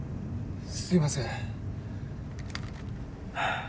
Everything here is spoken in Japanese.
すいません。